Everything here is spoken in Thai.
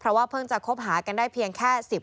เพราะว่าเพิ่งจะคบหากันได้เพียงแค่๑๐วันเท่านั้นเองนะครับ